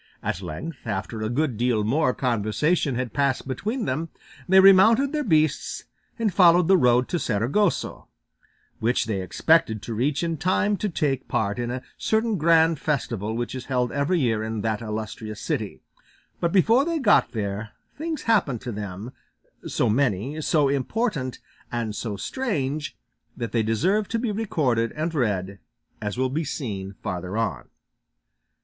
At length, after a good deal more conversation had passed between them, they remounted their beasts, and followed the road to Saragossa, which they expected to reach in time to take part in a certain grand festival which is held every year in that illustrious city; but before they got there things happened to them, so many, so important, and so strange, that they deserve to be recorded and read, as will be seen farther on.